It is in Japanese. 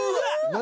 何？